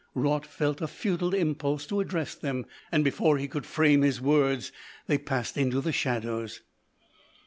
Raut felt a futile impulse to address them, and before he could frame his words, they passed into the shadows.